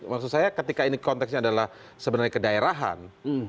maksud saya ketika ini konteksnya adalah sebenarnya kedaerahan